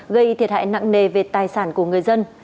gây thiệt hại nặng nề về tài sản của người dân